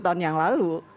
sepuluh tahun yang lalu